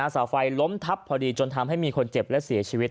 เสาไฟล้มทับพอดีจนทำให้มีคนเจ็บและเสียชีวิต